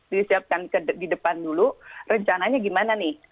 disiapkan di depan dulu rencananya gimana nih